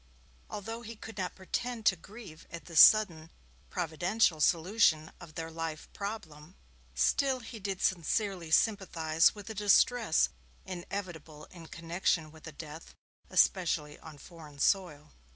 Although he could not pretend to grieve at this sudden providential solution of their life problem, still he did sincerely sympathize with the distress inevitable in connection with a death, especially on foreign soil.